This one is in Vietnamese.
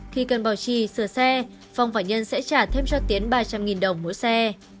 khi cần bảo trì sửa xe phong và nhân sẽ trả thêm cho tiến ba trăm linh đồng mỗi xe